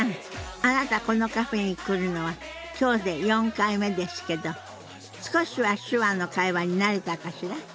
あなたこのカフェに来るのは今日で４回目ですけど少しは手話の会話に慣れたかしら？